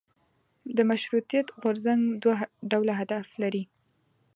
د مشروطیت غورځنګ دوه ډوله اهداف لرل.